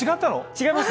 違います。